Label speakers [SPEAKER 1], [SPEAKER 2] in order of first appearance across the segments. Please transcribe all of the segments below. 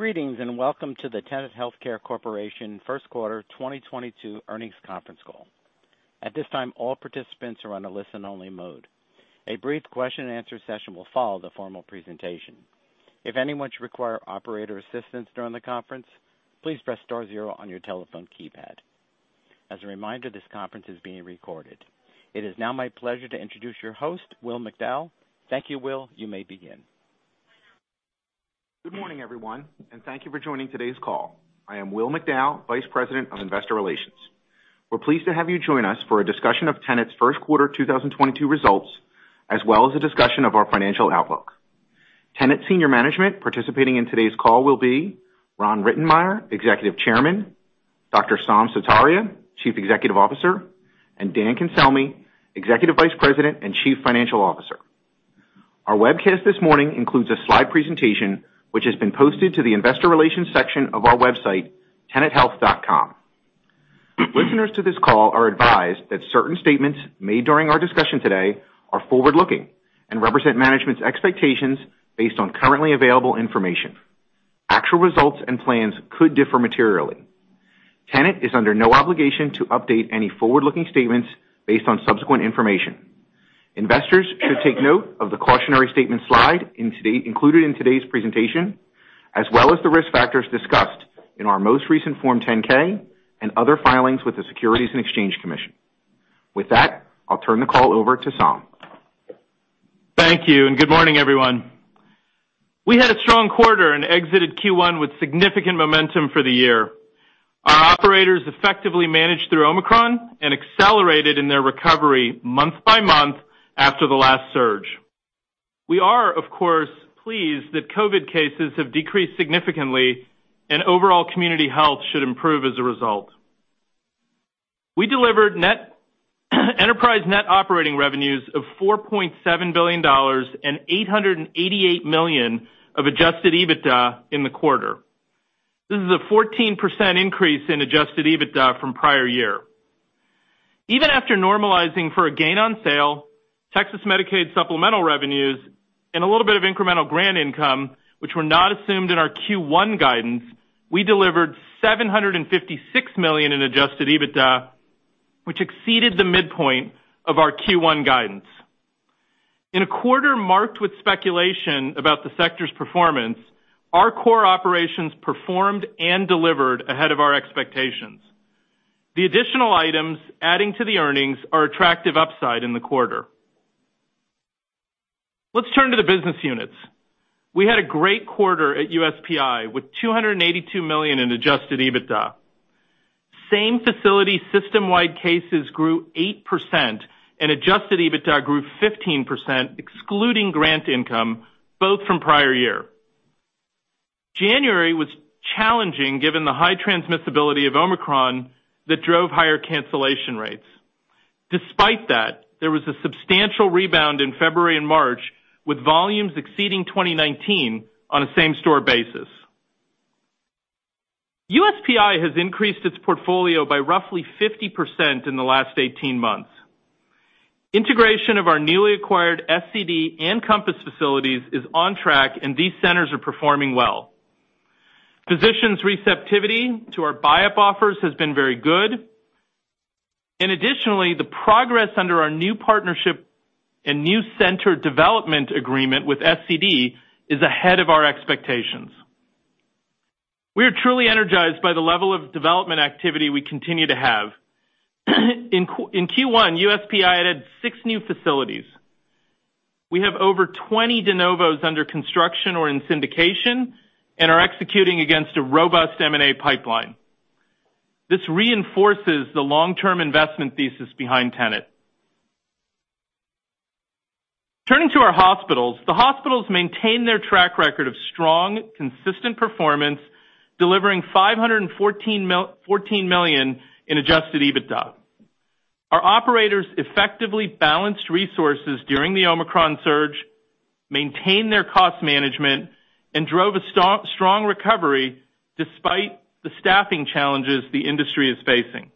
[SPEAKER 1] Greetings, and welcome to the Tenet Healthcare Corporation First Quarter 2022 Earnings Conference Call. At this time, all participants are on a listen-only mode. A brief question-and-answer session will follow the formal presentation. If anyone should require operator assistance during the conference, please press star zero on your telephone keypad. As a reminder, this conference is being recorded. It is now my pleasure to introduce your host, Will McDowell. Thank you, Will. You may begin.
[SPEAKER 2] Good morning, everyone, and thank you for joining today's call. I am Will McDowell, Vice President of Investor Relations. We're pleased to have you join us for a discussion of Tenet's first quarter 2022 results, as well as a discussion of our financial outlook. Tenet senior management participating in today's call will be Ron Rittenmeyer, Executive Chairman, Dr. Saum Sutaria, Chief Executive Officer, and Dan Cancelmi, Executive Vice President and Chief Financial Officer. Our webcast this morning includes a slide presentation which has been posted to the investor relations section of our website, tenethealth.com. Listeners to this call are advised that certain statements made during our discussion today are forward-looking and represent management's expectations based on currently available information. Actual results and plans could differ materially. Tenet is under no obligation to update any forward-looking statements based on subsequent information. Investors should take note of the cautionary statement slide included in today's presentation, as well as the risk factors discussed in our most recent Form 10-K and other filings with the Securities and Exchange Commission. With that, I'll turn the call over to Saum.
[SPEAKER 3] Thank you, and good morning, everyone. We had a strong quarter and exited Q1 with significant momentum for the year. Our operators effectively managed through Omicron and accelerated in their recovery month by month after the last surge. We are, of course, pleased that COVID cases have decreased significantly and overall community health should improve as a result. We delivered enterprise net operating revenues of $4.7 billion and $888 million of Adjusted EBITDA in the quarter. This is a 14% increase in Adjusted EBITDA from prior year. Even after normalizing for a gain on sale, Texas Medicaid supplemental revenues, and a little bit of incremental grant income, which were not assumed in our Q1 guidance, we delivered $756 million in Adjusted EBITDA, which exceeded the midpoint of our Q1 guidance. In a quarter marked with speculation about the sector's performance, our core operations performed and delivered ahead of our expectations. The additional items adding to the earnings are attractive upside in the quarter. Let's turn to the business units. We had a great quarter at USPI with $282 million in Adjusted EBITDA. Same-facility system-wide cases grew 8% and Adjusted EBITDA grew 15%, excluding grant income, both from prior year. January was challenging given the high transmissibility of Omicron that drove higher cancellation rates. Despite that, there was a substantial rebound in February and March, with volumes exceeding 2019 on a same-store basis. USPI has increased its portfolio by roughly 50% in the last 18 months. Integration of our newly acquired SCD and Compass facilities is on track, and these centers are performing well. Physicians' receptivity to our buy-up offers has been very good. Additionally, the progress under our new partnership and new center development agreement with SCD is ahead of our expectations. We are truly energized by the level of development activity we continue to have. In Q1, USPI added six new facilities. We have over 20 de novos under construction or in syndication and are executing against a robust M&A pipeline. This reinforces the long-term investment thesis behind Tenet. Turning to our hospitals, the hospitals maintain their track record of strong, consistent performance, delivering $514 million in Adjusted EBITDA. Our operators effectively balanced resources during the Omicron surge, maintained their cost management, and drove a strong recovery despite the staffing challenges the industry is facing.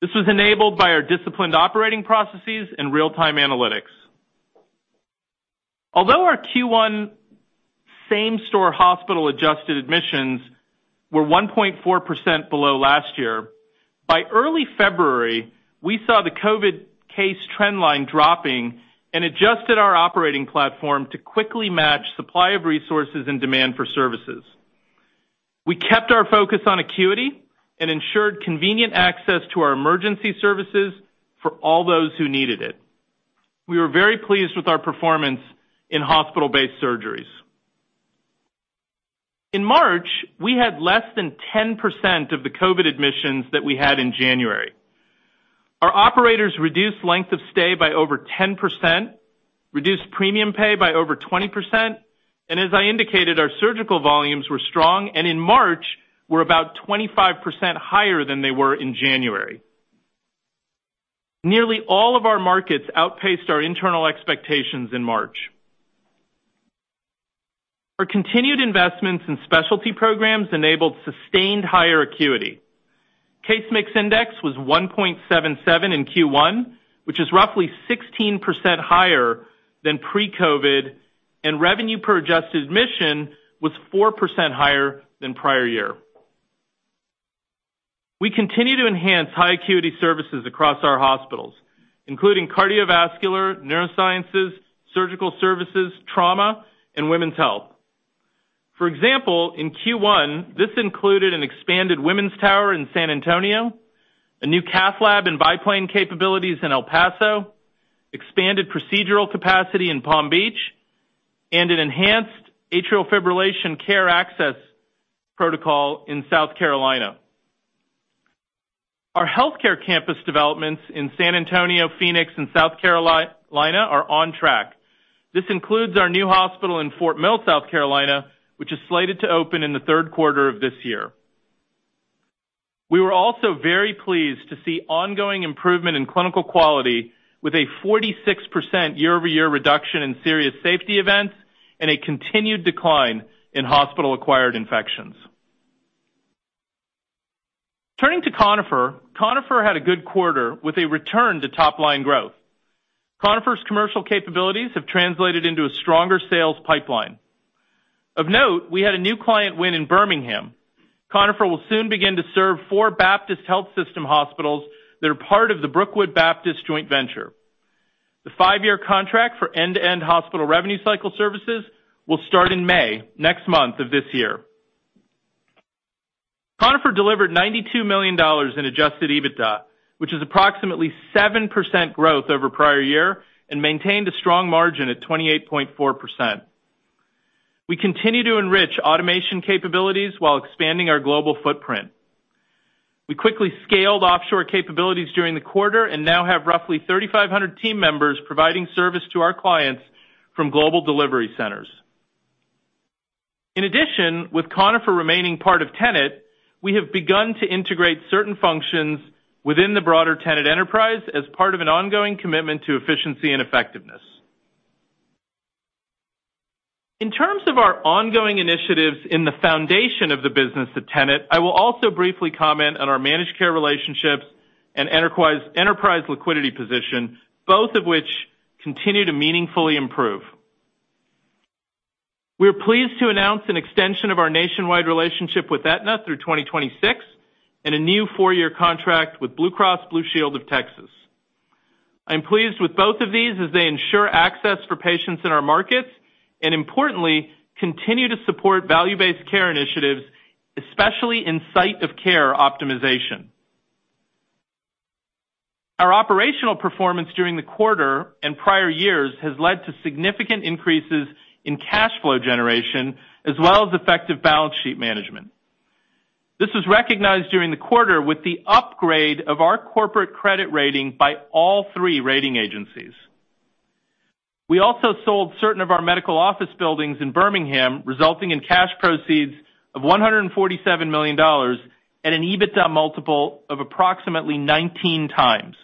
[SPEAKER 3] This was enabled by our disciplined operating processes and real-time analytics. Although our Q1 same-store hospital adjusted admissions were 1.4% below last year, by early February, we saw the COVID case trend line dropping and adjusted our operating platform to quickly match supply of resources and demand for services. We kept our focus on acuity and ensured convenient access to our emergency services for all those who needed it. We were very pleased with our performance in hospital-based surgeries. In March, we had less than 10% of the COVID admissions that we had in January. Our operators reduced length of stay by over 10%, reduced premium pay by over 20%, and as I indicated, our surgical volumes were strong, and in March, were about 25% higher than they were in January. Nearly all of our markets outpaced our internal expectations in March. Our continued investments in specialty programs enabled sustained higher acuity. Case Mix Index was 1.77 in Q1, which is roughly 16% higher than pre-COVID, and revenue per adjusted admission was 4% higher than prior year. We continue to enhance high acuity services across our hospitals, including cardiovascular, neurosciences, surgical services, trauma, and women's health. For example, in Q1, this included an expanded women's tower in San Antonio, a new cath lab and biplane capabilities in El Paso, expanded procedural capacity in Palm Beach, and an enhanced atrial fibrillation care access protocol in South Carolina. Our healthcare campus developments in San Antonio, Phoenix, and South Carolina are on track. This includes our new hospital in Fort Mill, South Carolina, which is slated to open in the third quarter of this year. We were also very pleased to see ongoing improvement in clinical quality with a 46% year-over-year reduction in serious safety events and a continued decline in hospital-acquired infections. Turning to Conifer had a good quarter with a return to top-line growth. Conifer's commercial capabilities have translated into a stronger sales pipeline. Of note, we had a new client win in Birmingham. Conifer will soon begin to serve four Baptist Health System hospitals that are part of the Brookwood Baptist Health joint venture. The five-year contract for end-to-end hospital revenue cycle services will start in May, next month of this year. Conifer delivered $92 million in Adjusted EBITDA, which is approximately 7% growth over prior year and maintained a strong margin at 28.4%. We continue to enrich automation capabilities while expanding our global footprint. We quickly scaled offshore capabilities during the quarter and now have roughly 3,500 team members providing service to our clients from global delivery centers. In addition, with Conifer remaining part of Tenet, we have begun to integrate certain functions within the broader Tenet enterprise as part of an ongoing commitment to efficiency and effectiveness. In terms of our ongoing initiatives in the foundation of the business of Tenet, I will also briefly comment on our managed care relationships and enterprise liquidity position, both of which continue to meaningfully improve. We are pleased to announce an extension of our nationwide relationship with Aetna through 2026 and a new four-year contract with Blue Cross Blue Shield of Texas. I'm pleased with both of these as they ensure access for patients in our markets, and importantly, continue to support value-based care initiatives, especially in site of care optimization. Our operational performance during the quarter and prior years has led to significant increases in cash flow generation, as well as effective balance sheet management. This was recognized during the quarter with the upgrade of our corporate credit rating by all three rating agencies. We also sold certain of our medical office buildings in Birmingham, resulting in cash proceeds of $147 million at an EBITDA multiple of approximately 19x.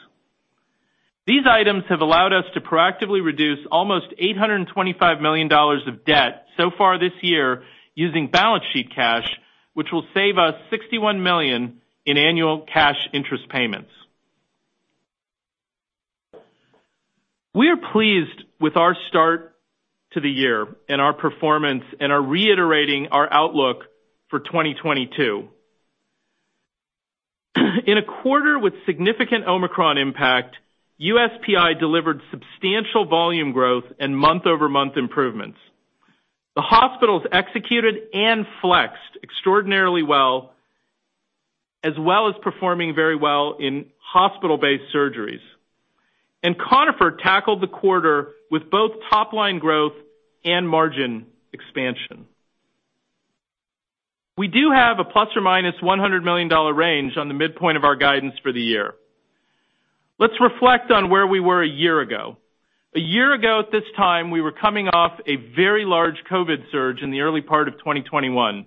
[SPEAKER 3] These items have allowed us to proactively reduce almost $825 million of debt so far this year using balance sheet cash, which will save us $61 million in annual cash interest payments. We are pleased with our start to the year and our performance and are reiterating our outlook for 2022. In a quarter with significant Omicron impact, USPI delivered substantial volume growth and month-over-month improvements. The hospitals executed and flexed extraordinarily well, as well as performing very well in hospital-based surgeries. Conifer tackled the quarter with both top-line growth and margin expansion. We do have a ±$100 million range on the midpoint of our guidance for the year. Let's reflect on where we were a year ago. A year ago, at this time, we were coming off a very large COVID surge in the early part of 2021.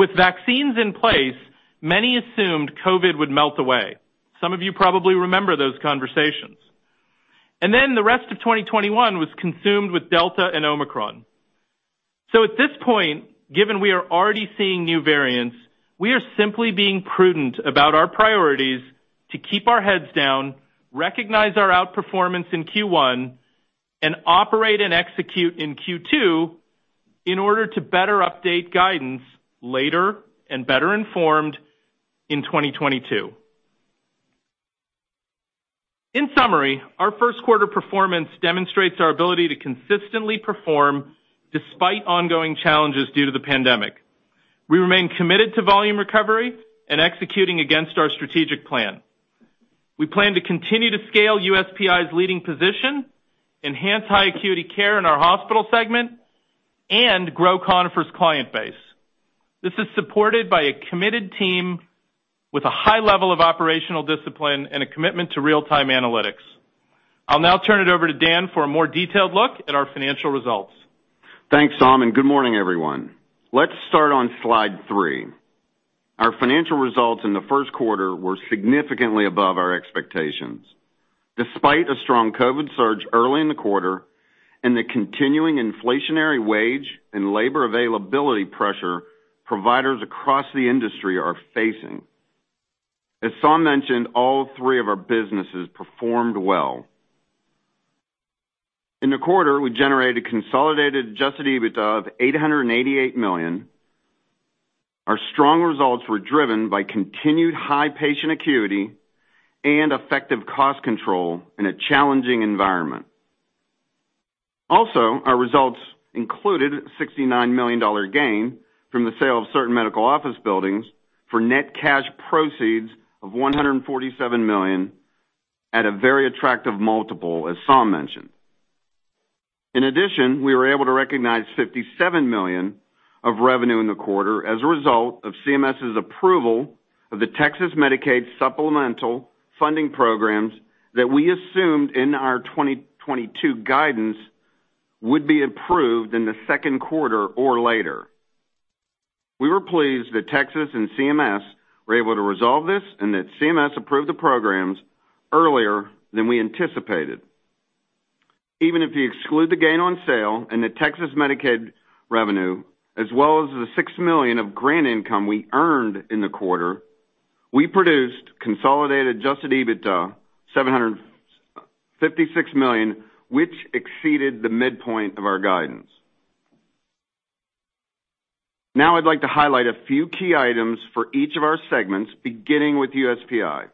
[SPEAKER 3] With vaccines in place, many assumed COVID would melt away. Some of you probably remember those conversations. Then the rest of 2021 was consumed with Delta and Omicron. At this point, given we are already seeing new variants, we are simply being prudent about our priorities to keep our heads down, recognize our outperformance in Q1, and operate and execute in Q2 in order to better update guidance later and better informed in 2022. In summary, our first quarter performance demonstrates our ability to consistently perform despite ongoing challenges due to the pandemic. We remain committed to volume recovery and executing against our strategic plan. We plan to continue to scale USPI's leading position, enhance high acuity care in our hospital segment, and grow Conifer's client base. This is supported by a committed team with a high level of operational discipline and a commitment to real-time analytics. I'll now turn it over to Dan for a more detailed look at our financial results.
[SPEAKER 4] Thanks, Saum, and good morning, everyone. Let's start on slide three. Our financial results in the first quarter were significantly above our expectations. Despite a strong COVID surge early in the quarter and the continuing inflationary wage and labor availability pressure providers across the industry are facing. As Saum mentioned, all three of our businesses performed well. In the quarter, we generated consolidated Adjusted EBITDA of $888 million. Our strong results were driven by continued high patient acuity and effective cost control in a challenging environment. Also, our results included $69 million gain from the sale of certain medical office buildings for net cash proceeds of $147 million at a very attractive multiple, as Saum mentioned. In addition, we were able to recognize $57 million of revenue in the quarter as a result of CMS's approval of the Texas Medicaid supplemental funding programs that we assumed in our 2022 guidance would be approved in the second quarter or later. We were pleased that Texas and CMS were able to resolve this and that CMS approved the programs earlier than we anticipated. Even if you exclude the gain on sale and the Texas Medicaid revenue, as well as the $6 million of grant income we earned in the quarter, we produced consolidated Adjusted EBITDA $756 million, which exceeded the midpoint of our guidance. Now I'd like to highlight a few key items for each of our segments, beginning with USPI.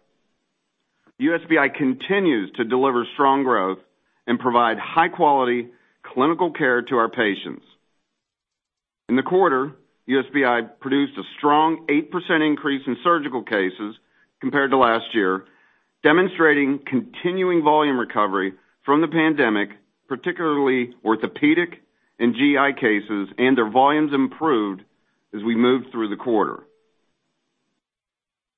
[SPEAKER 4] USPI continues to deliver strong growth and provide high-quality clinical care to our patients. In the quarter, USPI produced a strong 8% increase in surgical cases compared to last year, demonstrating continuing volume recovery from the pandemic, particularly orthopedic and GI cases, and their volumes improved as we moved through the quarter.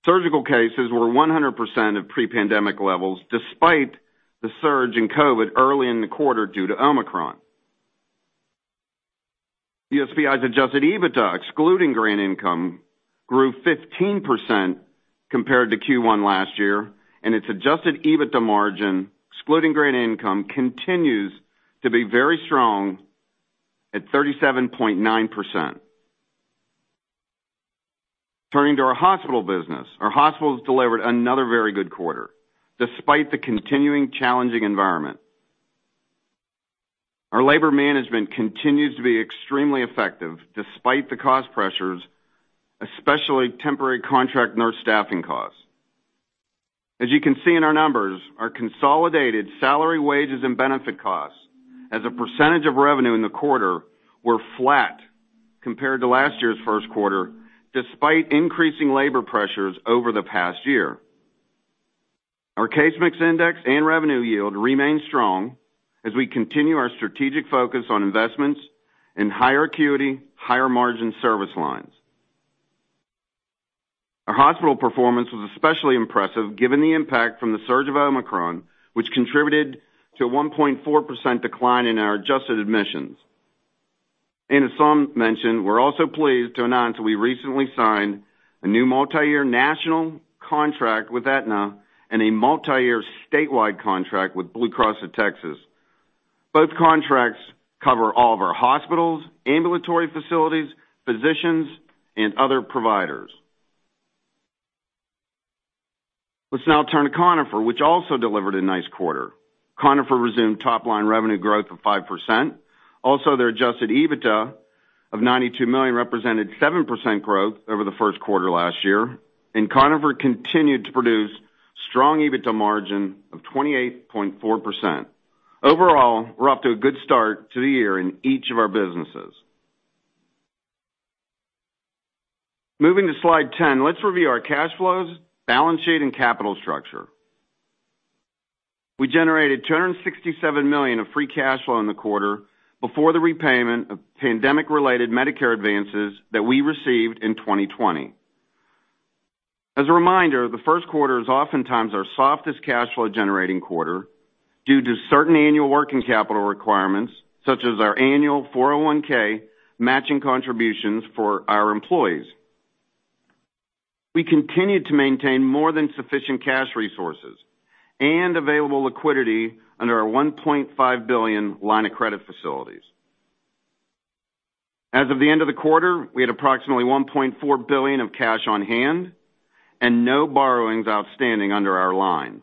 [SPEAKER 4] Surgical cases were 100% of pre-pandemic levels despite the surge in COVID early in the quarter due to Omicron. USPI's Adjusted EBITDA, excluding grant income, grew 15% compared to Q1 last year, and its Adjusted EBITDA margin, excluding grant income, continues to be very strong at 37.9%. Turning to our hospital business. Our hospitals delivered another very good quarter, despite the continuing challenging environment. Our labor management continues to be extremely effective despite the cost pressures, especially temporary contract nurse staffing costs. As you can see in our numbers, our consolidated salary, wages, and benefit costs as a percentage of revenue in the quarter were flat compared to last year's first quarter, despite increasing labor pressures over the past year. Our Case Mix Index and revenue yield remain strong as we continue our strategic focus on investments in higher acuity, higher margin service lines. Our hospital performance was especially impressive given the impact from the surge of Omicron, which contributed to a 1.4% decline in our adjusted admissions. As Saum mentioned, we're also pleased to announce we recently signed a new multiyear national contract with Aetna and a multiyear statewide contract with Blue Cross of Texas. Both contracts cover all of our hospitals, ambulatory facilities, physicians, and other providers. Let's now turn to Conifer, which also delivered a nice quarter. Conifer resumed top-line revenue growth of 5%. Their Adjusted EBITDA of $92 million represented 7% growth over the first quarter last year, and Conifer continued to produce strong EBITDA margin of 28.4%. Overall, we're off to a good start to the year in each of our businesses. Moving to slide 10, let's review our cash flows, balance sheet, and capital structure. We generated $267 million of Free Cash Flow in the quarter before the repayment of pandemic-related Medicare advances that we received in 2020. As a reminder, the first quarter is oftentimes our softest cash flow generating quarter due to certain annual working capital requirements, such as our annual 401(k) matching contributions for our employees. We continued to maintain more than sufficient cash resources and available liquidity under our $1.5 billion line of credit facilities. As of the end of the quarter, we had approximately $1.4 billion of cash on hand and no borrowings outstanding under our line.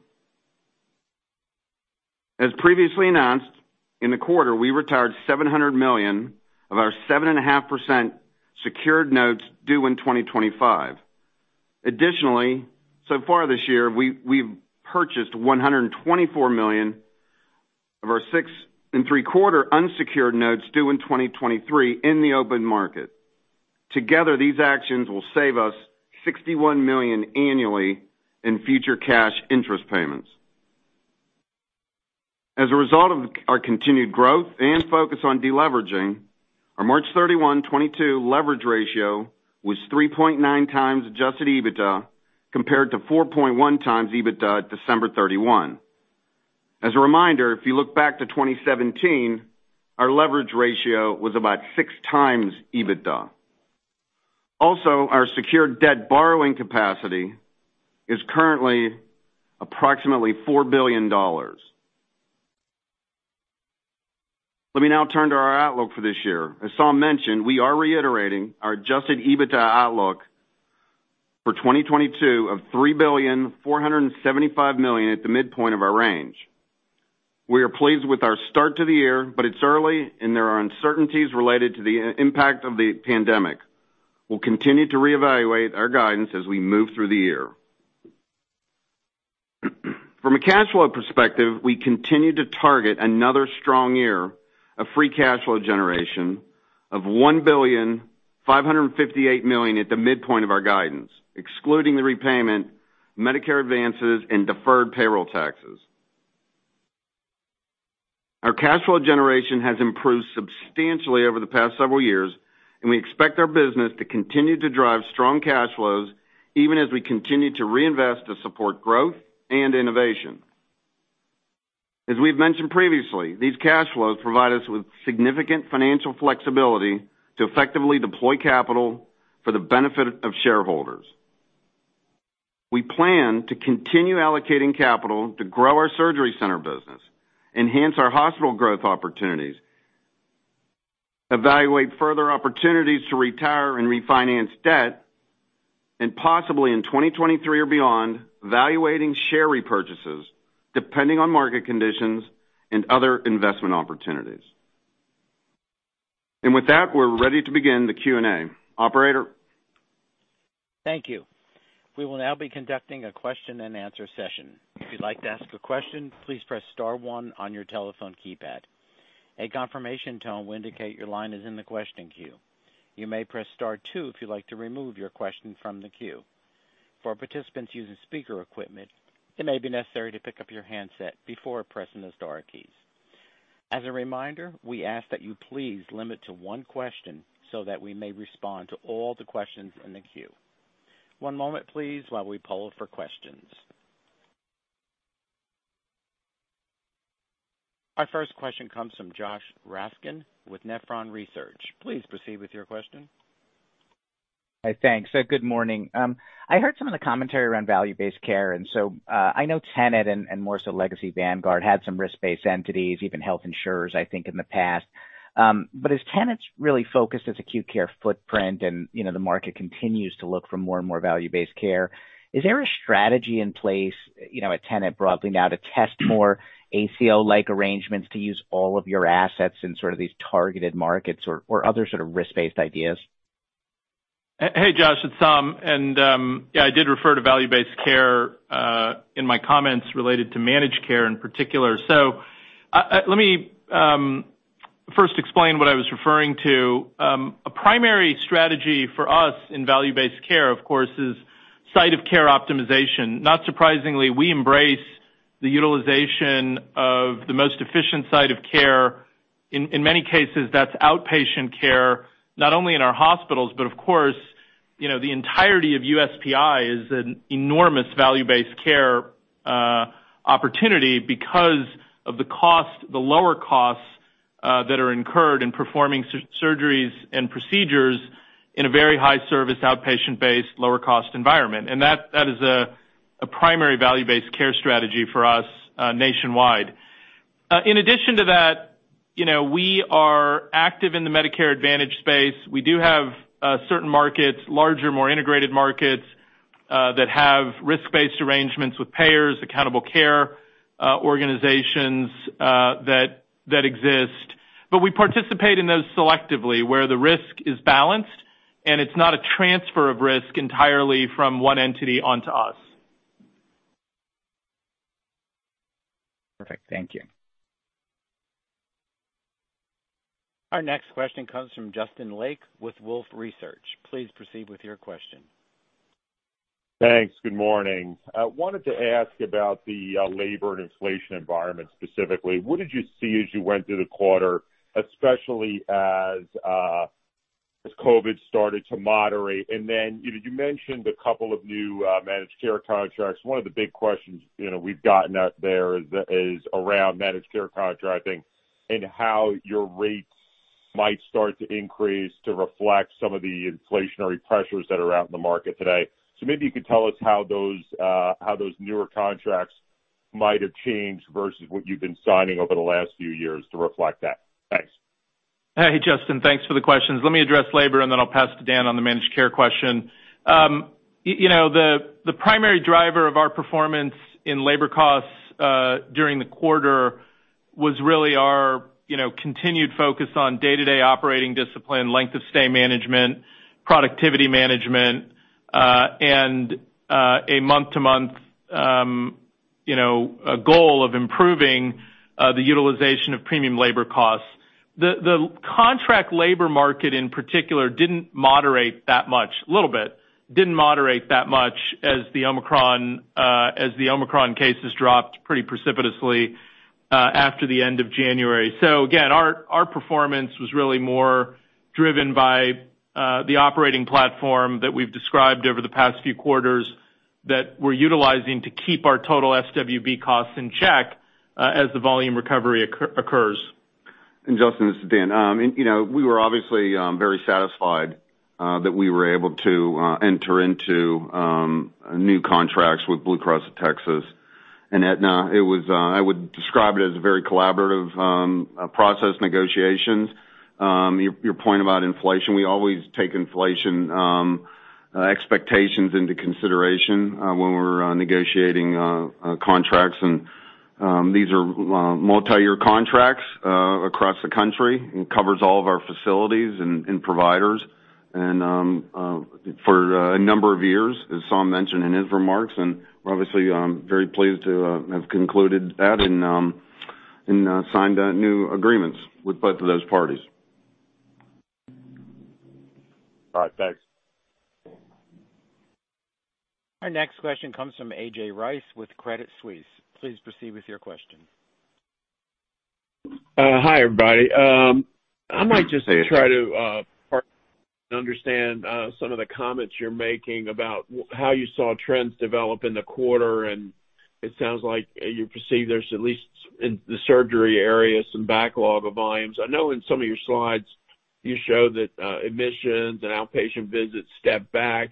[SPEAKER 4] As previously announced, in the quarter, we retired $700 million of our 7.5% secured notes due in 2025. Additionally, so far this year, we've purchased $124 million of our 6.75% unsecured notes due in 2023 in the open market. Together, these actions will save us $61 million annually in future cash interest payments. As a result of our continued growth and focus on deleveraging, our March 31, 2022 leverage ratio was 3.9x Adjusted EBITDA, compared to 4.1x EBITDA at December 31. As a reminder, if you look back to 2017, our leverage ratio was about 6x EBITDA. Also, our secured debt borrowing capacity is currently approximately $4 billion. Let me now turn to our outlook for this year. As Saum mentioned, we are reiterating our Adjusted EBITDA outlook for 2022 of $3.475 billion at the midpoint of our range. We are pleased with our start to the year, but it's early, and there are uncertainties related to the impact of the pandemic. We'll continue to reevaluate our guidance as we move through the year. From a cash flow perspective, we continue to target another strong year of Free Cash Flow generation of $1.558 billion at the midpoint of our guidance, excluding the repayment, Medicare advances, and deferred payroll taxes. Our cash flow generation has improved substantially over the past several years, and we expect our business to continue to drive strong cash flows, even as we continue to reinvest to support growth and innovation. As we've mentioned previously, these cash flows provide us with significant financial flexibility to effectively deploy capital for the benefit of shareholders. We plan to continue allocating capital to grow our surgery center business, enhance our hospital growth opportunities, evaluate further opportunities to retire and refinance debt, and possibly in 2023 or beyond, evaluating share repurchases depending on market conditions and other investment opportunities. With that, we're ready to begin the Q&A. Operator?
[SPEAKER 1] Thank you. We will now be conducting a question-and-answer session. If you'd like to ask a question, please press star one on your telephone keypad. A confirmation tone will indicate your line is in the question queue. You may press star two if you'd like to remove your question from the queue. For participants using speaker equipment, it may be necessary to pick up your handset before pressing the star keys. As a reminder, we ask that you please limit to one question so that we may respond to all the questions in the queue. One moment, please, while we poll for questions. Our first question comes from Josh Raskin with Nephron Research. Please proceed with your question.
[SPEAKER 5] Hey, thanks. Good morning. I heard some of the commentary around value-based care, and so, I know Tenet and more so Legacy Vanguard had some risk-based entities, even health insurers, I think, in the past. As Tenet's really focused on its acute care footprint and, you know, the market continues to look for more and more value-based care, is there a strategy in place, you know, at Tenet broadly now to test more ACO-like arrangements to use all of your assets in sort of these targeted markets or other sort of risk-based ideas?
[SPEAKER 3] Hey, Josh, it's Saum. Yeah, I did refer to value-based care in my comments related to managed care in particular. Let me first explain what I was referring to. A primary strategy for us in value-based care, of course, is site of care optimization. Not surprisingly, we embrace the utilization of the most efficient site of care. In many cases, that's outpatient care, not only in our hospitals, but of course, you know, the entirety of USPI is an enormous value-based care opportunity because of the cost, the lower costs that are incurred in performing surgeries and procedures in a very high service, outpatient-based, lower cost environment. That is a primary value-based care strategy for us nationwide. In addition to that, you know, we are active in the Medicare Advantage space. We do have certain markets, larger, more integrated markets, that have risk-based arrangements with payers, accountable care organizations, that exist. We participate in those selectively where the risk is balanced, and it's not a transfer of risk entirely from one entity onto us.
[SPEAKER 5] Perfect. Thank you.
[SPEAKER 1] Our next question comes from Justin Lake with Wolfe Research. Please proceed with your question.
[SPEAKER 6] Thanks. Good morning. I wanted to ask about the labor and inflation environment, specifically. What did you see as you went through the quarter, especially as COVID started to moderate? You know, you mentioned a couple of new managed care contracts. One of the big questions, you know, we've gotten out there is around managed care contracting and how your rates might start to increase to reflect some of the inflationary pressures that are out in the market today. Maybe you could tell us how those newer contracts might have changed versus what you've been signing over the last few years to reflect that. Thanks.
[SPEAKER 3] Hey, Justin, thanks for the questions. Let me address labor, and then I'll pass to Dan on the managed care question. You know, the primary driver of our performance in labor costs during the quarter was really our you know continued focus on day-to-day operating discipline, length of stay management, productivity management, and a month to month you know a goal of improving the utilization of premium labor costs. The contract labor market, in particular, didn't moderate that much, a little bit, as the Omicron cases dropped pretty precipitously after the end of January. Again, our performance was really more driven by the operating platform that we've described over the past few quarters that we're utilizing to keep our total SWB costs in check as the volume recovery occurs.
[SPEAKER 4] Justin, this is Dan. You know, we were obviously very satisfied that we were able to enter into new contracts with Blue Cross of Texas and Aetna. It was, I would describe it as a very collaborative process negotiations. Your point about inflation, we always take inflation expectations into consideration when we're negotiating contracts. These are multiyear contracts across the country and covers all of our facilities and providers and for a number of years, as Saum mentioned in his remarks. We're obviously very pleased to have concluded that and signed the new agreements with both of those parties.
[SPEAKER 6] All right. Thanks.
[SPEAKER 1] Our next question comes from A.J. Rice with Credit Suisse. Please proceed with your question.
[SPEAKER 7] Hi, everybody. I might just try to understand some of the comments you're making about how you saw trends develop in the quarter, and it sounds like you perceive there's, at least in the surgery area, some backlog of volumes. I know in some of your slides you show that admissions and outpatient visits stepped back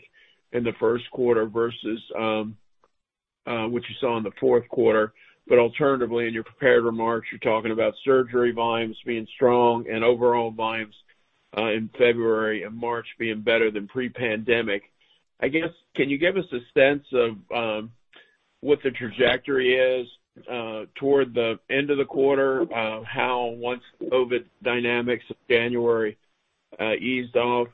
[SPEAKER 7] in the first quarter versus what you saw in the fourth quarter. Alternatively, in your prepared remarks, you're talking about surgery volumes being strong and overall volumes in February and March being better than pre-pandemic. I guess, can you give us a sense of what the trajectory is toward the end of the quarter, how once COVID dynamics of January eased off,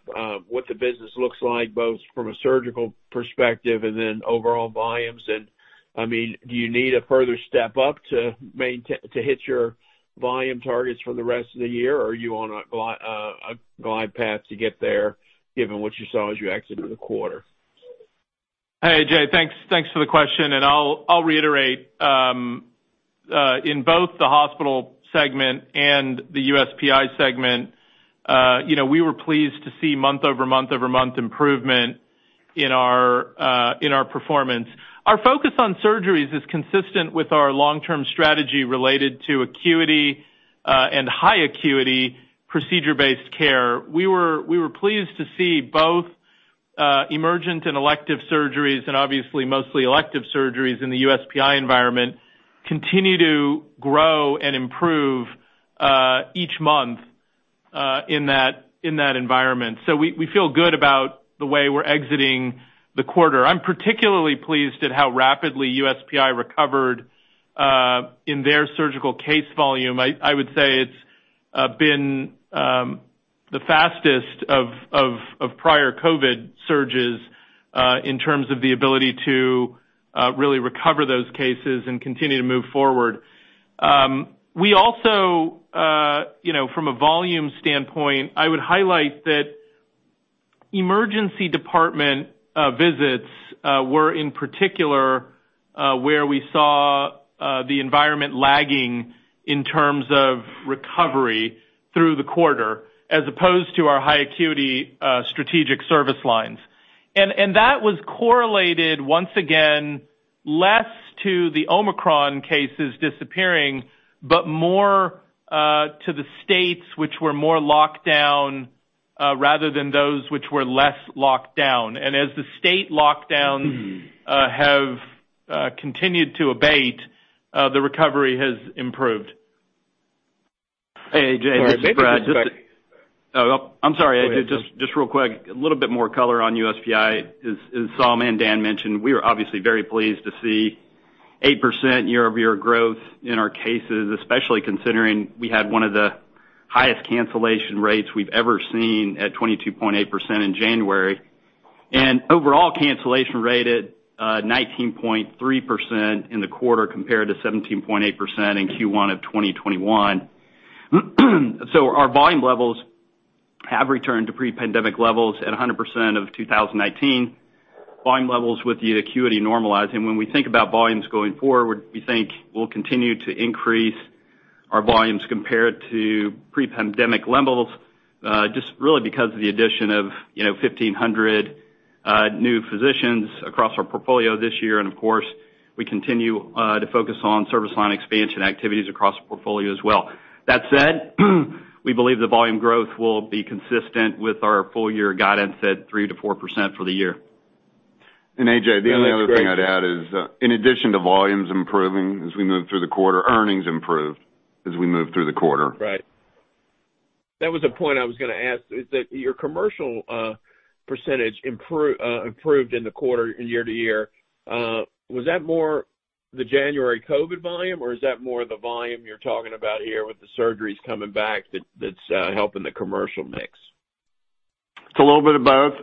[SPEAKER 7] what the business looks like, both from a surgical perspective and then overall volumes? I mean, do you need a further step up to hit your volume targets for the rest of the year? Or are you on a glide path to get there given what you saw as you exited the quarter?
[SPEAKER 3] Hey, A.J. Thanks for the question, and I'll reiterate in both the Hospital segment and the USPI segment, you know, we were pleased to see month-over-month improvement in our performance. Our focus on surgeries is consistent with our long-term strategy related to acuity and high acuity procedure-based care. We were pleased to see both emergent and elective surgeries, and obviously mostly elective surgeries in the USPI environment, continue to grow and improve each month in that environment. We feel good about the way we're exiting the quarter. I'm particularly pleased at how rapidly USPI recovered in their surgical case volume. I would say it's been the fastest of prior COVID surges in terms of the ability to really recover those cases and continue to move forward. We also, you know, from a volume standpoint, I would highlight that emergency department visits were in particular where we saw the environment lagging in terms of recovery through the quarter as opposed to our high acuity strategic service lines. That was correlated once again, less to the Omicron cases disappearing, but more to the states which were more locked down rather than those which were less locked down. As the state lockdowns have continued to abate, the recovery has improved.
[SPEAKER 8] Hey, A.J., this is Brett. Just to-
[SPEAKER 3] Go ahead, Brett.
[SPEAKER 8] Oh, I'm sorry, AJ. Just real quick, a little bit more color on USPI. As Saum and Dan mentioned, we are obviously very pleased to see 8% year-over-year growth in our cases, especially considering we had one of the highest cancellation rates we've ever seen at 22.8% in January, and overall cancellation rate at 19.3% in the quarter, compared to 17.8% in Q1 of 2021. Our volume levels have returned to pre-pandemic levels at 100% of 2019 volume levels with the acuity normalizing. When we think about volumes going forward, we think we'll continue to increase our volumes compared to pre-pandemic levels, just really because of the addition of 1,500 new physicians across our portfolio this year. Of course, we continue to focus on service line expansion activities across the portfolio as well. That said, we believe the volume growth will be consistent with our full year guidance at 3%-4% for the year.
[SPEAKER 4] A.J., the only other thing I'd add is, in addition to volumes improving as we move through the quarter, earnings improved as we moved through the quarter.
[SPEAKER 7] Right. That was the point I was gonna ask, is that your commercial percentage improved in the quarter year-over-year. Was that more the January COVID volume, or is that more the volume you're talking about here with the surgeries coming back that's helping the commercial mix?
[SPEAKER 4] It's a little bit of both,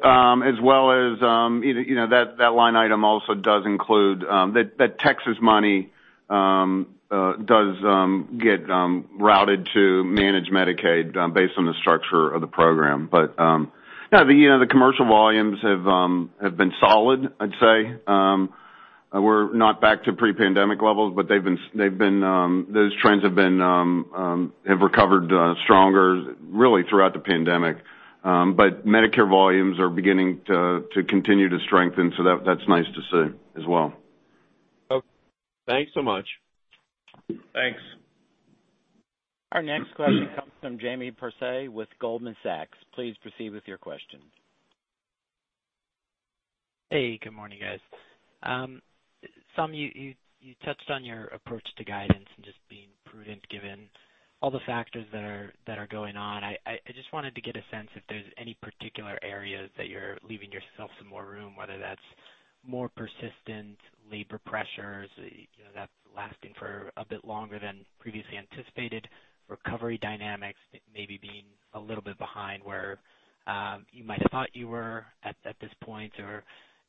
[SPEAKER 4] as well as, you know, that line item also does include that Texas money does get routed to managed Medicaid based on the structure of the program. Yeah, you know, the commercial volumes have been solid, I'd say. We're not back to pre-pandemic levels, but those trends have recovered stronger really throughout the pandemic. Medicare volumes are beginning to continue to strengthen, so that's nice to see as well.
[SPEAKER 7] Okay. Thanks so much.
[SPEAKER 3] Thanks.
[SPEAKER 1] Our next question comes from Jamie Perse with Goldman Sachs. Please proceed with your question.
[SPEAKER 9] Hey, good morning, guys. Some of you touched on your approach to guidance and just being prudent given all the factors that are going on. I just wanted to get a sense if there's any particular areas that you're leaving yourself some more room, whether that's more persistent labor pressures, you know, that's lasting for a bit longer than previously anticipated, recovery dynamics maybe being a little bit behind where you might have thought you were at this point, or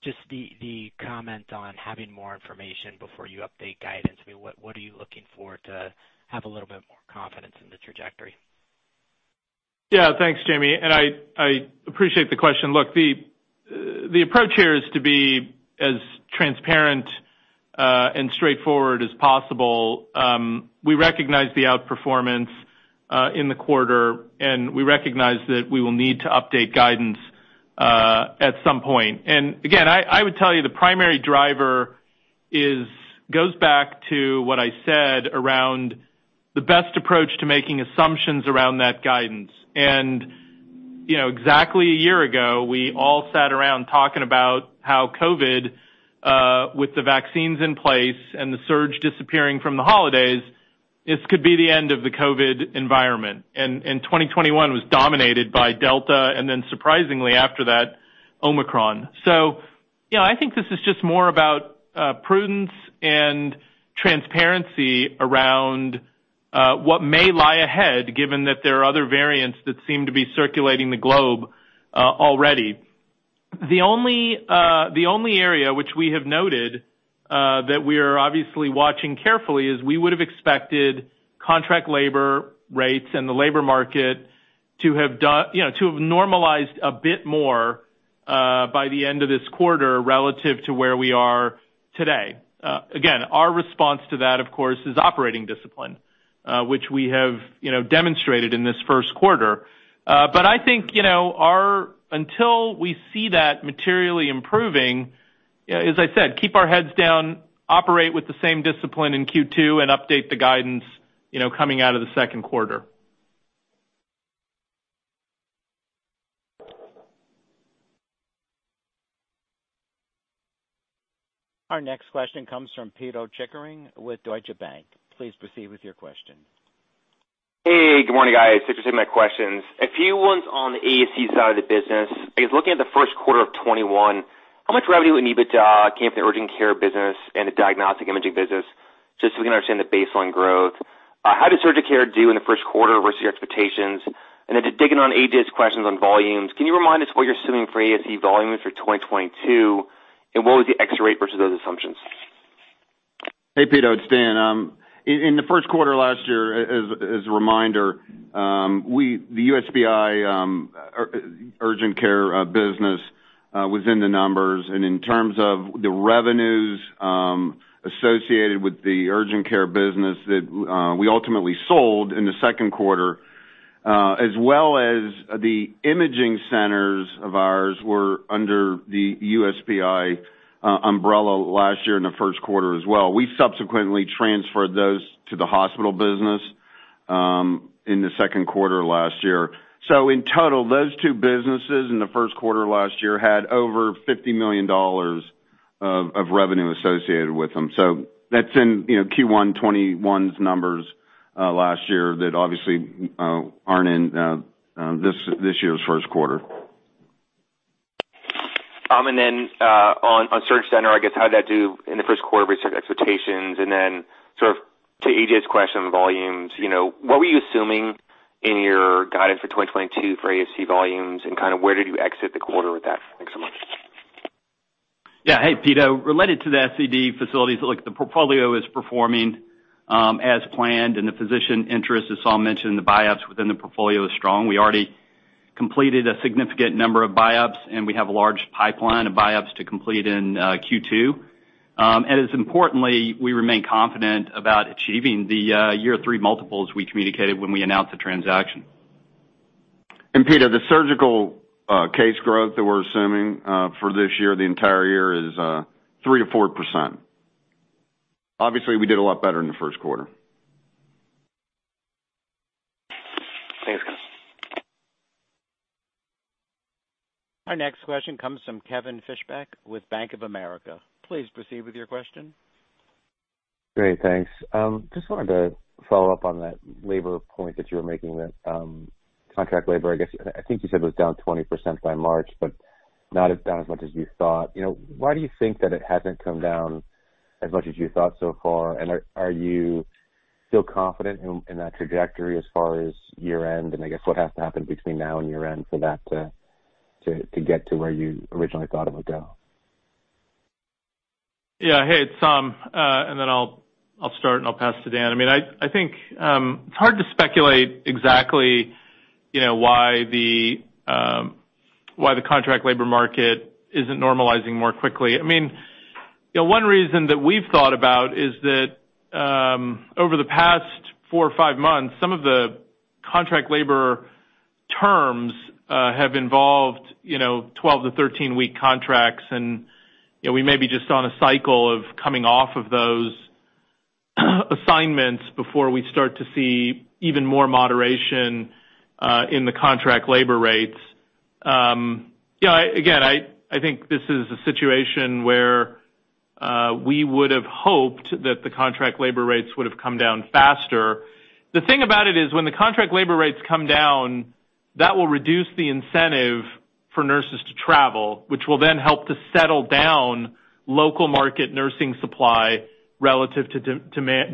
[SPEAKER 9] just the comment on having more information before you update guidance. I mean, what are you looking for to have a little bit more confidence in the trajectory?
[SPEAKER 3] Yeah. Thanks, Jamie, and I appreciate the question. Look, the approach here is to be as transparent and straightforward as possible. We recognize the outperformance in the quarter, and we recognize that we will need to update guidance at some point. Again, I would tell you the primary driver is goes back to what I said around the best approach to making assumptions around that guidance. You know, exactly a year ago, we all sat around talking about how COVID with the vaccines in place and the surge disappearing from the holidays, this could be the end of the COVID environment. 2021 was dominated by Delta and then surprisingly after that, Omicron. You know, I think this is just more about prudence and transparency around what may lie ahead, given that there are other variants that seem to be circulating the globe already. The only area which we have noted that we are obviously watching carefully is we would have expected contract labor rates and the labor market to have you know, to have normalized a bit more by the end of this quarter relative to where we are today. Again, our response to that, of course, is operating discipline which we have you know, demonstrated in this first quarter. I think, you know, until we see that materially improving, you know, as I said, keep our heads down, operate with the same discipline in Q2, and update the guidance, you know, coming out of the second quarter.
[SPEAKER 1] Our next question comes from Pito Chickering with Deutsche Bank. Please proceed with your question.
[SPEAKER 10] Hey, good morning, guys. Thanks for taking my questions. A few ones on the ASC side of the business. I guess looking at the first quarter of 2021, how much revenue and EBITDA came from the urgent care business and the diagnostic imaging business, just so we can understand the baseline growth? How did SurgCenter do in the first quarter versus your expectations? And then just digging on A.J.'s questions on volumes, can you remind us what you're assuming for ASC volumes for 2022, and what was the actual rate versus those assumptions?
[SPEAKER 4] Hey, Pito, it's Dan. In the first quarter last year, as a reminder, the USPI urgent care business was in the numbers. In terms of the revenues associated with the urgent care business that we ultimately sold in the second quarter, as well as the imaging centers of ours were under the USPI umbrella last year in the first quarter as well. We subsequently transferred those to the hospital business in the second quarter last year. In total, those two businesses in the first quarter last year had over $50 million of revenue associated with them. That's in, you know, Q1 2021's numbers last year that obviously aren't in this year's first quarter.
[SPEAKER 10] On SurgCenter, I guess, how'd that do in the first quarter versus expectations? Sort of to A.J.'s question on volumes, you know, what were you assuming in your guidance for 2022 for ASC volumes, and kind of where did you exit the quarter with that? Thanks so much.
[SPEAKER 8] Yeah. Hey, Pito. Related to the SCD facilities, look, the portfolio is performing as planned, and the physician interest, as Saum mentioned, the buy-ups within the portfolio is strong. We already completed a significant number of buy-ups, and we have a large pipeline of buy-ups to complete in Q2. As importantly, we remain confident about achieving the year-three multiples we communicated when we announced the transaction.
[SPEAKER 4] Pito, the surgical case growth that we're assuming for this year, the entire year, is 3%-4%. Obviously, we did a lot better in the first quarter.
[SPEAKER 10] Thanks, guys.
[SPEAKER 1] Our next question comes from Kevin Fischbeck with Bank of America. Please proceed with your question.
[SPEAKER 11] Great, thanks. Just wanted to follow up on that labor point that you were making with contract labor, I guess. I think you said it was down 20% by March, but not down as much as you thought. Why do you think that it hasn't come down as much as you thought so far, and are you still confident in that trajectory as far as year-end? I guess what has to happen between now and year-end for that to get to where you originally thought it would go?
[SPEAKER 3] Yeah. Hey, it's Saum. Then I'll start, and I'll pass to Dan. It's hard to speculate exactly why the contract labor market isn't normalizing more quickly. I mean, you know, one reason that we've thought about is that, over the past four or five months, some of the contract labor terms have involved, you know, 12- to 13-week contracts, and, you know, we may be just on a cycle of coming off of those assignments before we start to see even more moderation in the contract labor rates. Yeah, again, I think this is a situation where we would've hoped that the contract labor rates would've come down faster. The thing about it is when the contract labor rates come down, that will reduce the incentive for nurses to travel, which will then help to settle down local market nursing supply relative to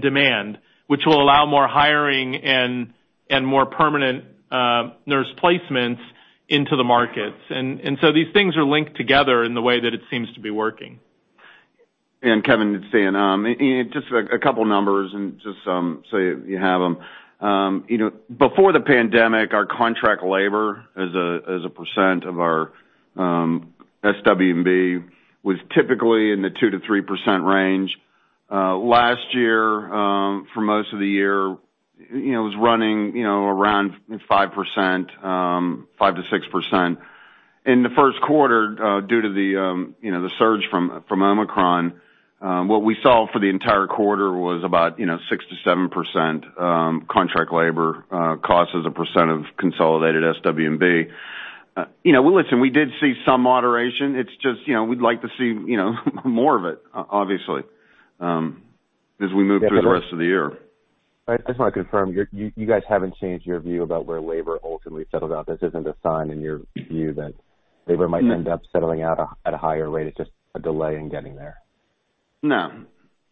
[SPEAKER 3] demand, which will allow more hiring and more permanent nurse placements into the markets. These things are linked together in the way that it seems to be working.
[SPEAKER 4] Kevin, it's Dan. Just a couple numbers so you have them. You know, before the pandemic, our contract labor as a percent of our SWB was typically in the 2%-3% range. Last year, for most of the year, you know, it was running, you know, around 5%, 5%-6%. In the first quarter, due to the surge from Omicron, what we saw for the entire quarter was about, you know, 6%-7% contract labor costs as a percent of consolidated SWB. You know, listen, we did see some moderation. It's just, you know, we'd like to see, you know, more of it obviously, as we move through the rest of the year.
[SPEAKER 11] I just wanna confirm, you guys haven't changed your view about where labor ultimately settles out. This isn't a sign in your view that labor might end up settling out at a higher rate. It's just a delay in getting there.
[SPEAKER 4] No,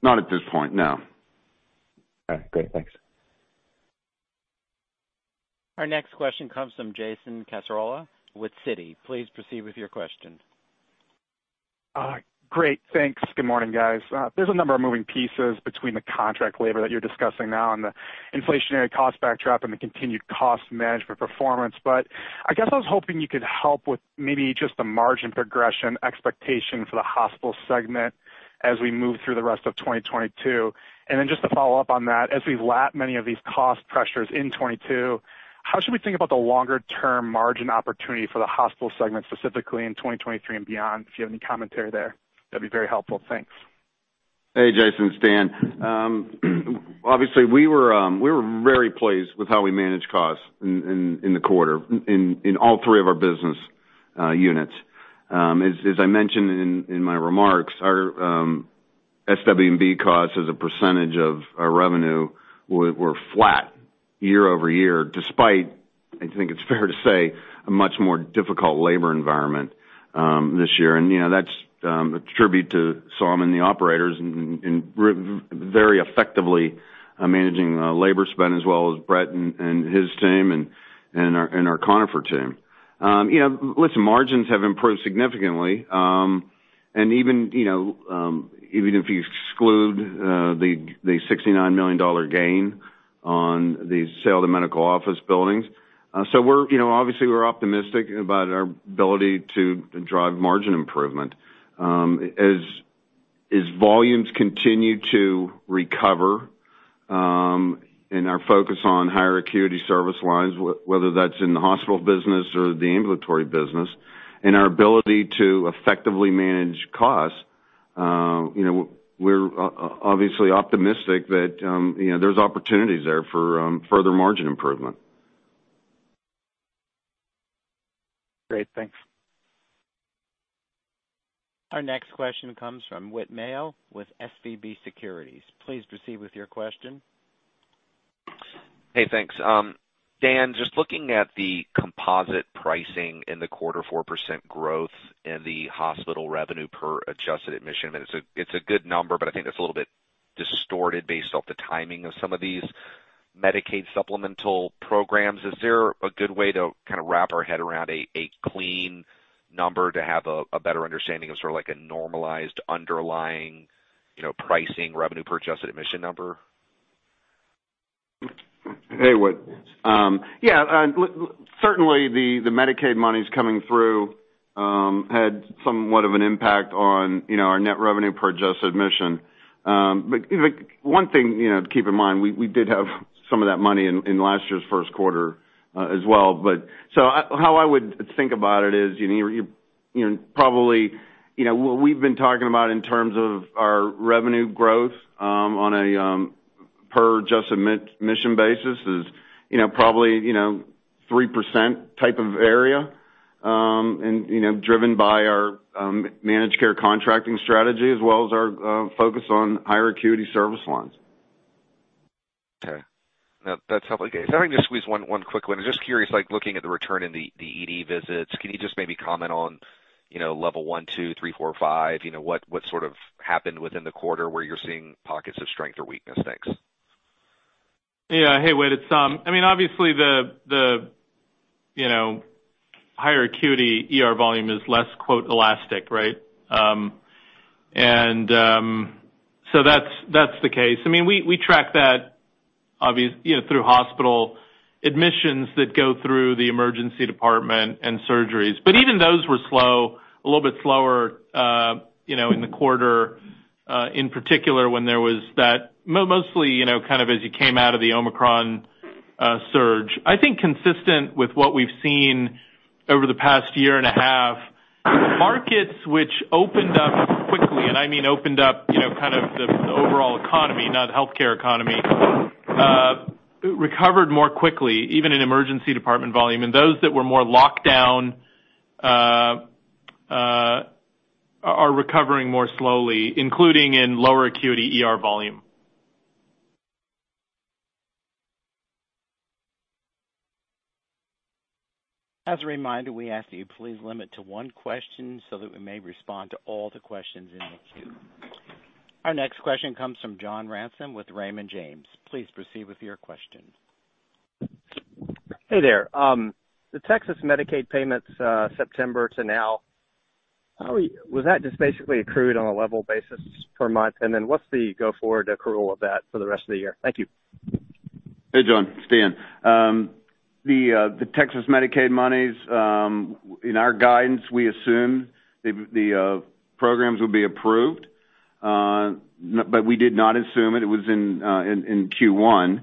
[SPEAKER 4] not at this point. No.
[SPEAKER 11] All right. Great. Thanks.
[SPEAKER 1] Our next question comes from Jason Cassorla with Citi. Please proceed with your question.
[SPEAKER 12] Great. Thanks. Good morning, guys. There's a number of moving pieces between the contract labor that you're discussing now and the inflationary cost backdrop and the continued cost management performance. I guess I was hoping you could help with maybe just the margin progression expectation for the hospital segment as we move through the rest of 2022. Then just to follow up on that, as we lap many of these cost pressures in 2022, how should we think about the longer term margin opportunity for the hospital segment, specifically in 2023 and beyond? If you have any commentary there, that'd be very helpful. Thanks.
[SPEAKER 4] Hey, Jason, it's Dan. Obviously, we were very pleased with how we managed costs in the quarter in all three of our business units. As I mentioned in my remarks, our SWB costs as a percentage of our revenue were flat year-over-year, despite, I think it's fair to say, a much more difficult labor environment this year. You know, that's a tribute to Saum Sutaria and the operators in very effectively managing labor spend, as well as Brett and his team and our Conifer team. You know, listen, margins have improved significantly, and even if you exclude the $69 million gain on the sale of the medical office buildings. You know, obviously, we're optimistic about our ability to drive margin improvement. As volumes continue to recover, and our focus on higher acuity service lines, whether that's in the hospital business or the ambulatory business, and our ability to effectively manage costs, you know, we're obviously optimistic that, you know, there's opportunities there for further margin improvement.
[SPEAKER 12] Great. Thanks.
[SPEAKER 1] Our next question comes from Whit Mayo with SVB Securities. Please proceed with your question.
[SPEAKER 13] Hey, thanks. Dan, just looking at the composite pricing in the quarter 4% growth and the hospital revenue per adjusted admission, it's a good number, but I think that's a little bit distorted based off the timing of some of these Medicaid supplemental programs. Is there a good way to kind of wrap our head around a clean number to have a better understanding of sort of like a normalized underlying, you know, pricing revenue per adjusted admission number?
[SPEAKER 4] Hey, Whit. Certainly, the Medicaid monies coming through had somewhat of an impact on, you know, our net revenue per adjusted admission. But one thing to keep in mind, we did have some of that money in last year's first quarter as well. How I would think about it is, you know, probably what we've been talking about in terms of our revenue growth on a per adjusted admission basis is, you know, probably 3% type of area, and driven by our managed care contracting strategy as well as our focus on higher acuity service lines.
[SPEAKER 13] Okay. No, that's helpful. Okay. If I can just squeeze one quick one. I'm just curious, like, looking at the return in the ED visits, can you just maybe comment on, you know, level one, two, three, four, five, you know, what sort of happened within the quarter where you're seeing pockets of strength or weakness? Thanks.
[SPEAKER 3] Hey, Whit, it's Saum. I mean, obviously, you know, higher acuity ER volume is less "elastic," right? So that's the case. I mean, we track that. Obviously, you know, through hospital admissions that go through the emergency department and surgeries. But even those were slow, a little bit slower, you know, in the quarter, in particular when there was that—mostly, you know, kind of as you came out of the Omicron surge. I think consistent with what we've seen over the past year and a half, markets which opened up quickly, and I mean opened up, you know, kind of the overall economy, not the healthcare economy, recovered more quickly, even in emergency department volume. Those that were more locked down are recovering more slowly, including in lower acuity ER volume.
[SPEAKER 1] As a reminder, we ask that you please limit to one question so that we may respond to all the questions in the queue. Our next question comes from John Ransom with Raymond James. Please proceed with your question.
[SPEAKER 14] Hey there. The Texas Medicaid payments, September to now, was that just basically accrued on a level basis per month? Then what's the go forward accrual of that for the rest of the year? Thank you.
[SPEAKER 4] Hey, John. It's Dan. The Texas Medicaid monies, in our guidance, we assume the programs will be approved, but we did not assume it. It was in Q1.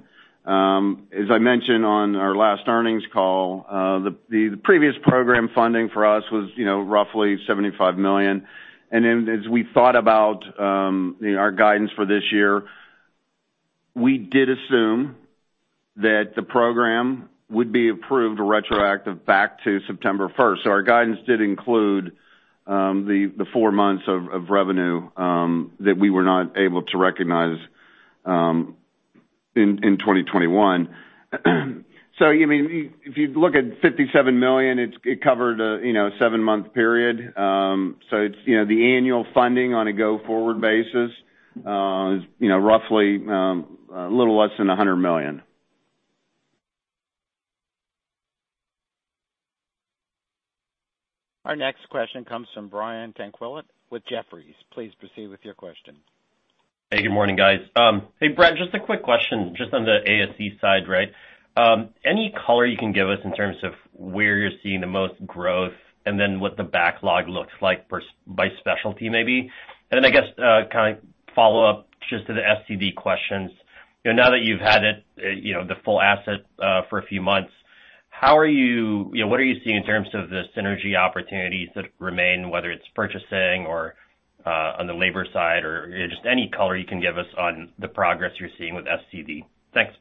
[SPEAKER 4] As I mentioned on our last earnings call, the previous program funding for us was, you know, roughly $75 million. As we thought about our guidance for this year, we did assume that the program would be approved retroactive back to September 1. Our guidance did include the four months of revenue that we were not able to recognize in 2021. I mean, if you look at $57 million, it covered a, you know, seven-month period. It's, you know, the annual funding on a go-forward basis is, you know, roughly a little less than $100 million.
[SPEAKER 1] Our next question comes from Brian Tanquilut with Jefferies. Please proceed with your question.
[SPEAKER 15] Hey, good morning, guys. Hey, Brett, just a quick question just on the ASC side, right? Any color you can give us in terms of where you're seeing the most growth and then what the backlog looks like per specialty maybe? I guess, kind of follow up just to the SCD questions. You know, now that you've had it, you know, the full asset for a few months, you know, what are you seeing in terms of the synergy opportunities that remain, whether it's purchasing or on the labor side or just any color you can give us on the progress you're seeing with SCD? Thanks.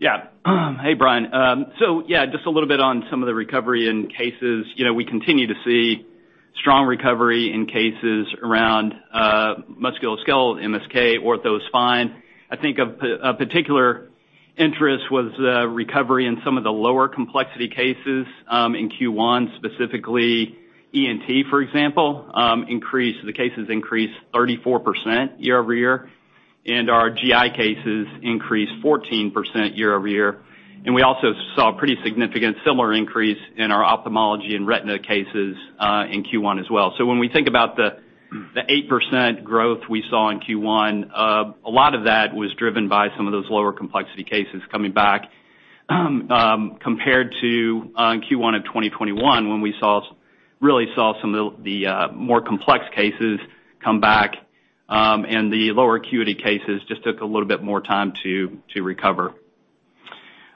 [SPEAKER 8] Hey, Brian. So, just a little bit on some of the recovery in cases. You know, we continue to see strong recovery in cases around musculoskeletal, MSK, ortho spine. I think a particular interest was recovery in some of the lower complexity cases in Q1, specifically ENT, for example, the cases increased 34% year-over-year, and our GI cases increased 14% year-over-year. We also saw a pretty significant similar increase in our ophthalmology and retina cases in Q1 as well. When we think about the 8% growth we saw in Q1, a lot of that was driven by some of those lower complexity cases coming back, compared to Q1 of 2021 when we really saw some of the more complex cases come back, and the lower acuity cases just took a little bit more time to recover.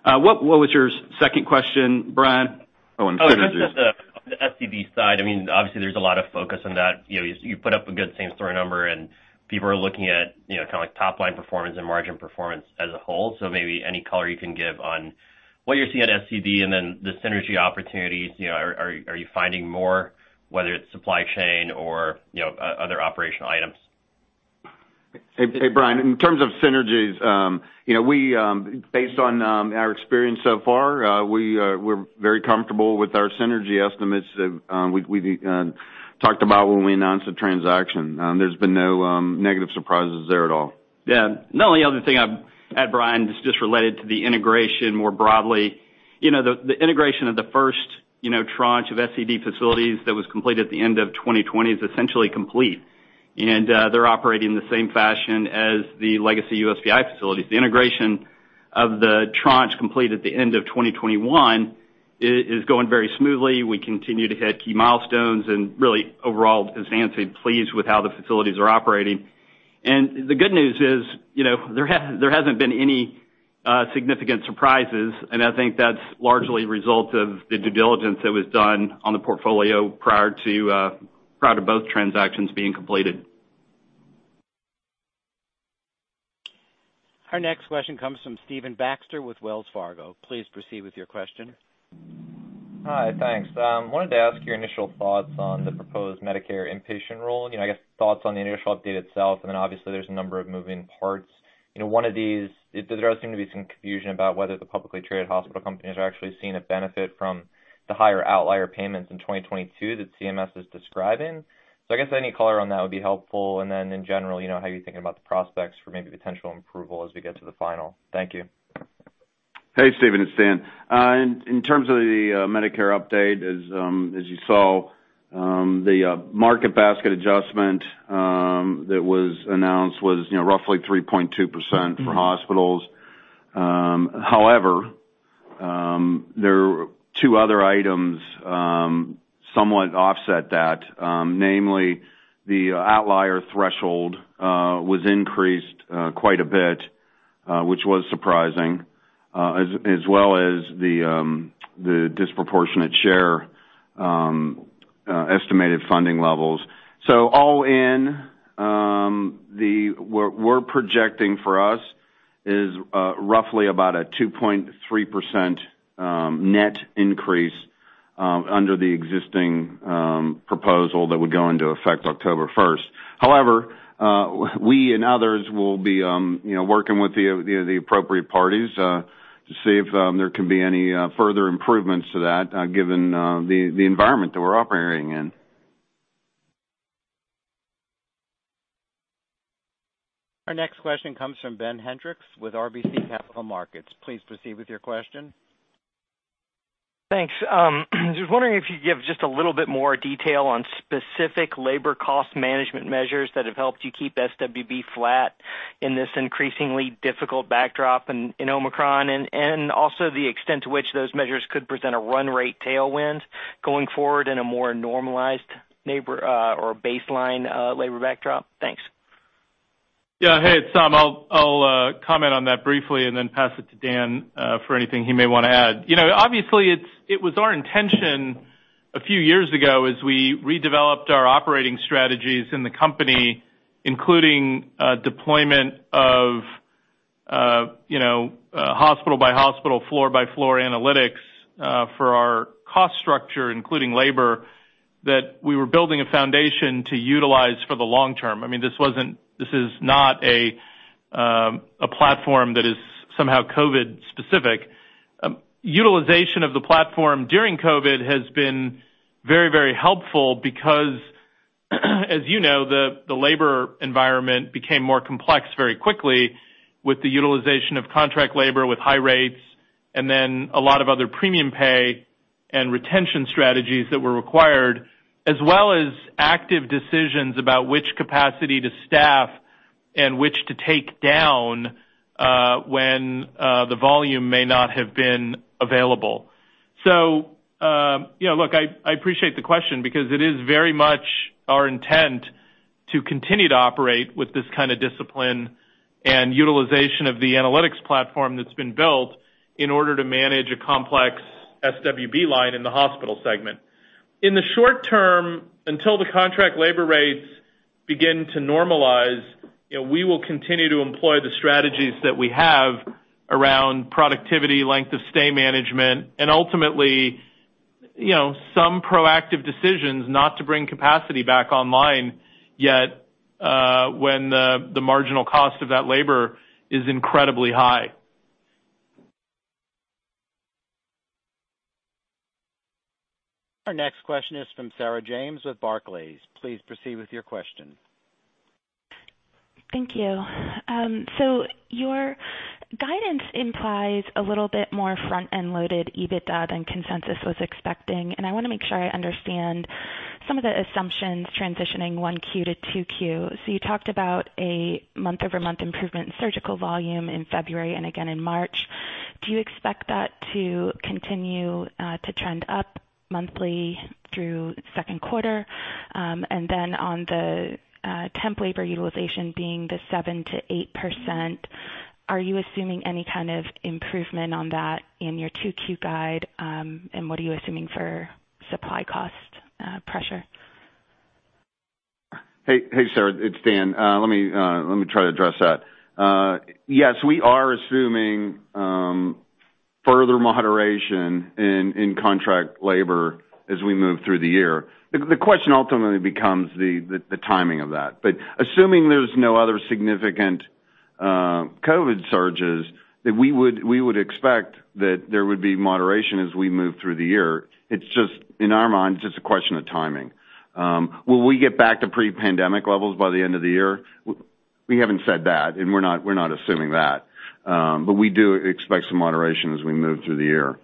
[SPEAKER 8] What was your second question, Brian? Oh, and third as well.
[SPEAKER 15] Oh, just the SCD side. I mean, obviously there's a lot of focus on that. You know, you put up a good same-store number, and people are looking at, you know, kinda like top-line performance and margin performance as a whole. Maybe any color you can give on what you're seeing at SCD and then the synergy opportunities. You know, are you finding more, whether it's supply chain or, you know, other operational items?
[SPEAKER 4] Hey, Brian, in terms of synergies, you know, based on our experience so far, we're very comfortable with our synergy estimates that we talked about when we announced the transaction. There's been no negative surprises there at all.
[SPEAKER 8] Yeah. The only other thing I'd add, Brian, is just related to the integration more broadly. You know, the integration of the first, you know, tranche of SCD facilities that was completed at the end of 2020 is essentially complete, and they're operating in the same fashion as the legacy USPI facilities. The integration of the tranche completed at the end of 2021 is going very smoothly. We continue to hit key milestones and really overall, as [inaudible] pleased with how the facilities are operating. The good news is, you know, there hasn't been any significant surprises, and I think that's largely a result of the due diligence that was done on the portfolio prior to both transactions being completed.
[SPEAKER 1] Our next question comes from Stephen Baxter with Wells Fargo. Please proceed with your question.
[SPEAKER 16] Hi, thanks. I wanted to ask your initial thoughts on the proposed Medicare inpatient rule. You know, I guess thoughts on the initial update itself, and then obviously there's a number of moving parts. You know, one of these, there does seem to be some confusion about whether the publicly traded hospital companies are actually seeing a benefit from the higher outlier payments in 2022 that CMS is describing. So I guess any color on that would be helpful. Then in general, you know, how are you thinking about the prospects for maybe potential approval as we get to the final? Thank you.
[SPEAKER 4] Hey, Stephen, it's Dan. In terms of the Medicare update, as you saw, the market basket adjustment that was announced was, you know, roughly 3.2% for hospitals. However, there are two other items somewhat offset that, namely the outlier threshold was increased quite a bit, which was surprising, as well as the disproportionate share estimated funding levels. All in, we're projecting for us is roughly about a 2.3% net increase under the existing proposal that would go into effect October 1. However, we and others will be, you know, working with the appropriate parties to see if there can be any further improvements to that, given the environment that we're operating in.
[SPEAKER 1] Our next question comes from Ben Hendrix with RBC Capital Markets. Please proceed with your question.
[SPEAKER 17] Thanks. Just wondering if you could give just a little bit more detail on specific labor cost management measures that have helped you keep SWB flat in this increasingly difficult backdrop in Omicron, and also the extent to which those measures could present a run rate tailwind going forward in a more normalized labor or baseline labor backdrop? Thanks.
[SPEAKER 3] Yeah. Hey, it's Saum Sutaria. I'll comment on that briefly and then pass it to Dan for anything he may wanna add. You know, obviously it was our intention a few years ago as we redeveloped our operating strategies in the company, including deployment of you know hospital by hospital, floor by floor analytics for our cost structure, including labor, that we were building a foundation to utilize for the long term. I mean, this is not a platform that is somehow COVID specific. Utilization of the platform during COVID has been very, very helpful because, as you know, the labor environment became more complex very quickly with the utilization of contract labor with high rates, and then a lot of other premium pay and retention strategies that were required, as well as active decisions about which capacity to staff and which to take down, when the volume may not have been available. You know, look, I appreciate the question because it is very much our intent to continue to operate with this kind of discipline and utilization of the analytics platform that's been built in order to manage a complex SWB line in the hospital segment. In the short term, until the contract labor rates begin to normalize, you know, we will continue to employ the strategies that we have around productivity, length of stay management, and ultimately, you know, some proactive decisions not to bring capacity back online yet, when the marginal cost of that labor is incredibly high.
[SPEAKER 1] Our next question is from Sarah James with Barclays. Please proceed with your question.
[SPEAKER 18] Thank you. Your guidance implies a little bit more front-end loaded EBITDA than consensus was expecting, and I wanna make sure I understand some of the assumptions transitioning 1Q-2Q. You talked about a month-over-month improvement in surgical volume in February and again in March. Do you expect that to continue to trend up monthly through second quarter? And then on the temp labor utilization being the 7%-8%, are you assuming any kind of improvement on that in your 2Q guide, and what are you assuming for supply cost pressure?
[SPEAKER 4] Hey, Sarah, it's Dan. Let me try to address that. Yes, we are assuming further moderation in contract labor as we move through the year. The question ultimately becomes the timing of that. Assuming there's no other significant COVID surges, then we would expect that there would be moderation as we move through the year. It's just, in our minds, it's a question of timing. Will we get back to pre-pandemic levels by the end of the year? We haven't said that, and we're not assuming that. We do expect some moderation as we move through the year.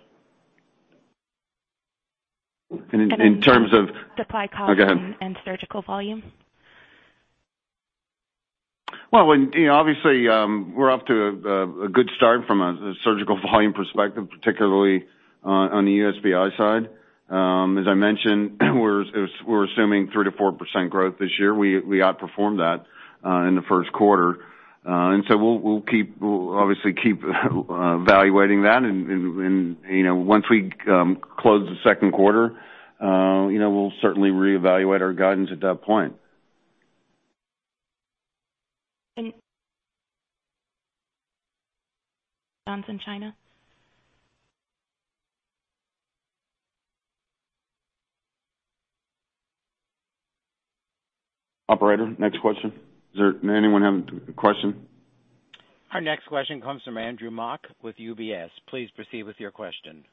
[SPEAKER 18] And in-
[SPEAKER 4] In terms of-
[SPEAKER 18] Supply costs.
[SPEAKER 4] Go ahead.
[SPEAKER 18] Surgical volume.
[SPEAKER 4] Well, when, you know, obviously, we're off to a good start from a surgical volume perspective, particularly on the USPI side. As I mentioned, we're assuming 3%-4% growth this year. We outperformed that in the first quarter. We'll obviously keep evaluating that. You know, once we close the second quarter, we'll certainly reevaluate our guidance at that point.
[SPEAKER 18] in China?
[SPEAKER 4] Operator, next question. Is there anyone have a question?
[SPEAKER 1] Our next question comes from Andrew Mok with UBS. Please proceed with your question.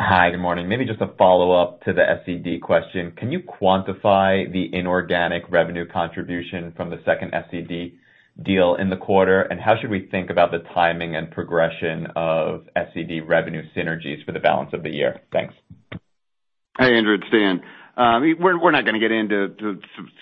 [SPEAKER 19] Hi, good morning. Maybe just a follow-up to the SCD question. Can you quantify the inorganic revenue contribution from the second SCD deal in the quarter? And how should we think about the timing and progression of SCD revenue synergies for the balance of the year? Thanks.
[SPEAKER 4] Hey, Andrew, it's Dan. We're not gonna get into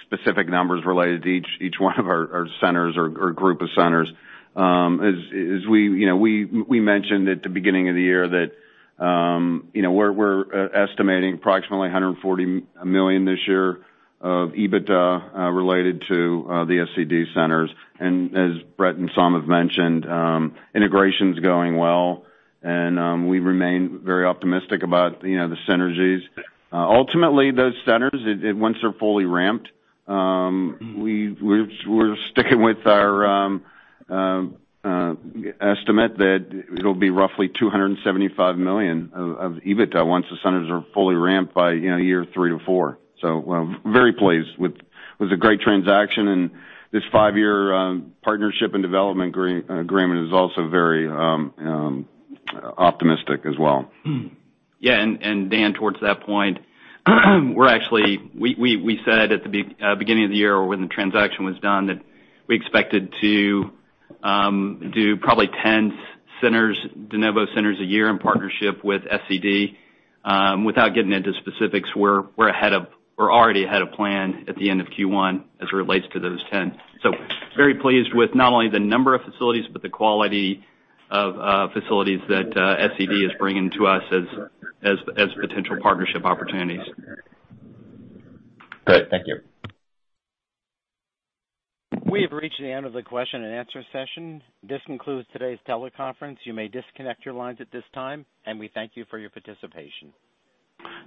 [SPEAKER 4] specific numbers related to each one of our centers or group of centers. As we, you know, mentioned at the beginning of the year that, you know, we're estimating approximately $140 million this year of EBITDA related to the SCD centers. As Brett and Sam have mentioned, integration's going well, and we remain very optimistic about, you know, the synergies. Ultimately, those centers once they're fully ramped, we're sticking with our estimate that it'll be roughly $275 million of EBITDA once the centers are fully ramped by, you know, year three to four. Well, very pleased with a great transaction. This five-year partnership and development agreement is also very optimistic as well.
[SPEAKER 8] Yeah. Dan, towards that point, we said at the beginning of the year or when the transaction was done, that we expected to do probably 10 centers, de novo centers a year in partnership with SCD. Without getting into specifics, we're already ahead of plan at the end of Q1 as it relates to those 10. Very pleased with not only the number of facilities, but the quality of facilities that SCD is bringing to us as potential partnership opportunities.
[SPEAKER 19] Great. Thank you.
[SPEAKER 1] We have reached the end of the question-and-answer session. This concludes today's teleconference. You may disconnect your lines at this time, and we thank you for your participation.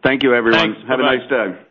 [SPEAKER 4] Thank you, everyone.
[SPEAKER 8] Thanks. Bye-bye.
[SPEAKER 3] Have a nice day.